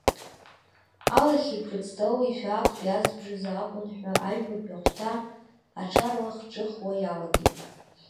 Алахьеиқәратә столеишәа актәи азыбжазы акәын ҳәа, аҩбатәи ахәҭа аҽарлахҿыхуа иалагеит.